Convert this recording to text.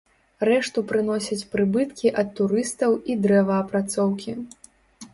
Рэшту прыносяць прыбыткі ад турыстаў і дрэваапрацоўкі.